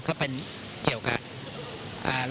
ก็เป็นเกี่ยวกับเทศกาลคริสต์มันนะครับ